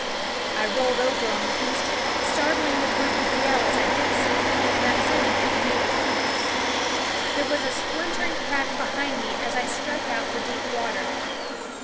I rolled over on the instant, startling the brute with a yell as I did so, and upsetting the canoe between us. There was a splinter ing crack behind me as I struck out for deep water.